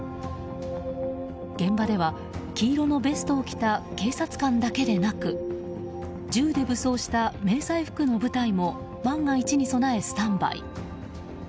現場では黄色のベストを着た警察官だけでなく銃で武装した迷彩服の部隊も万が一に備え、スタンバイ。